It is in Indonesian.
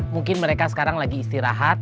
mungkin mereka sekarang lagi istirahat